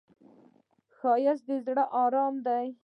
ښایست د زړه آرام دی